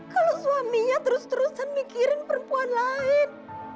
kalau suaminya terus terusan mikirin perempuan lain